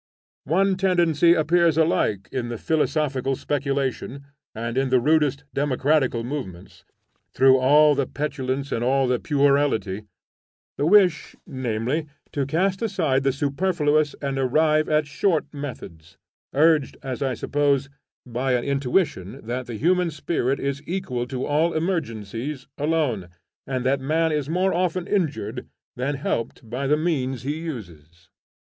One tendency appears alike in the philosophical speculation and in the rudest democratical movements, through all the petulance and all the puerility, the wish, namely, to cast aside the superfluous and arrive at short methods; urged, as I suppose, by an intuition that the human spirit is equal to all emergencies, alone, and that man is more often injured than helped by the means he uses.